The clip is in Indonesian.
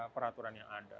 peraturan yang ada